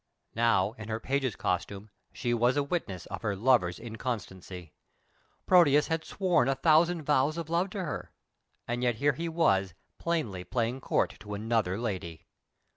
Now, in her page's costume, she was a witness of her lover's inconstancy. Proteus had sworn a thousand vows of love to her, and yet here he was plainly playing court to another lady!